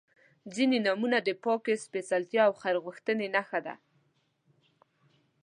• ځینې نومونه د پاکۍ، سپېڅلتیا او خیر غوښتنې نښه ده.